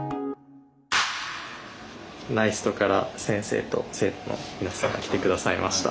ＮＡＩＳＴから先生と生徒の皆さんが来て下さいました。